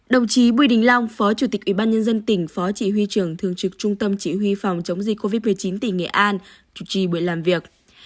đồng chí bùi đình long phó chủ tịch ủy ban nhân dân tỉnh phó chỉ huy trưởng thường trực trung tâm chỉ huy phòng chống dịch covid một mươi chín tỉnh nghệ an chủ trì buổi làm việc